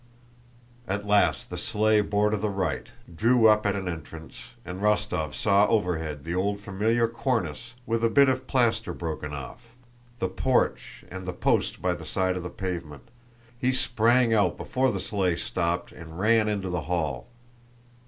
At last the sleigh bore to the right, drew up at an entrance, and Rostóv saw overhead the old familiar cornice with a bit of plaster broken off, the porch, and the post by the side of the pavement. He sprang out before the sleigh stopped, and ran into the hall.